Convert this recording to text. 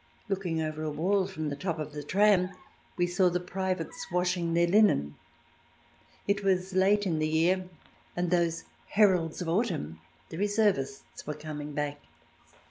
Looking over a wall from the top of the tram, we saw the privates washing their linen. It was late in the year, and those heralds of autumn, the reservists, were coming back.